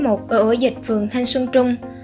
ở ổ dịch phường thanh xuân trung